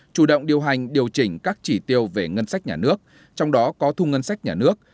chủ động điều hành điều chỉnh các chỉ tiêu về ngân sách nhà nước trong đó có thu ngân sách nhà nước